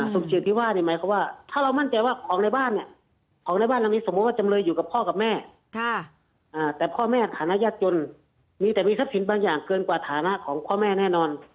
สมจิตที่ว่าเนี่ยหมายความว่าถ้าเรามั่นใจว่าของในบ้านเนี่ยของในบ้านเรามีสมมุติว่าจำเลยอยู่กับพ่อกับแม่แต่พ่อแม่ฐานะยากจนมีแต่มีทรัพย์สินบางอย่างเกินกว่าฐานะของพ่อแม่แน่นอน